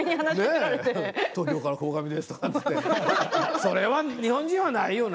東京から鴻上ですとかってそれは日本人はないよね。